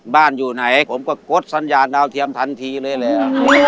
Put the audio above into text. บ้านอยู่ไหนผมก็กดสัญญาณเอาเทียมทันทีเลยแล้วอ๋อ